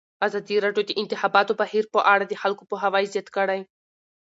ازادي راډیو د د انتخاباتو بهیر په اړه د خلکو پوهاوی زیات کړی.